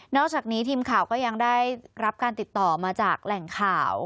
อกจากนี้ทีมข่าวก็ยังได้รับการติดต่อมาจากแหล่งข่าว